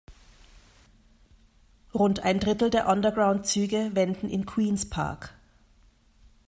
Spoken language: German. Rund ein Drittel der Underground-Züge wenden in Queen’s Park.